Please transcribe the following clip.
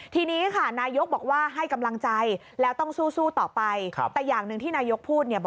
ทีนี้ค่ะนายยกบอกว่าให้กำลังใจและต้องสู้ต่อไปอย่างนึงที่นายยกพูด